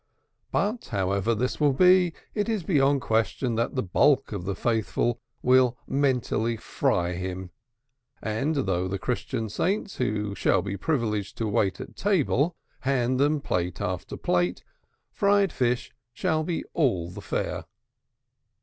But, however this be, it is beyond question that the bulk of the faithful will mentally fry him, and though the Christian saints, who shall be privileged to wait at table, hand them plate after plate, fried fish shall be all the fare.